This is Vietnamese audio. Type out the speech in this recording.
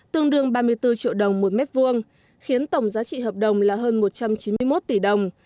tương đương ba mươi bốn triệu đồng một mét vuông khiến tổng giá trị hợp đồng là hơn một trăm chín mươi một tỷ đồng